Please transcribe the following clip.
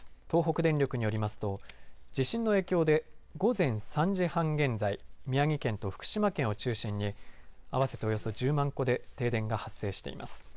東北電力によりますと地震の影響で午前３時半現在宮城県と福島県を中心に合わせておよそ１０万戸で停電が発生しています。